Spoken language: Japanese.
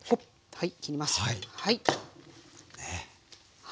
はい。